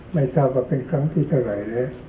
ไม่ทราบว่าเป็นครั้งที่เท่าไหร่นะ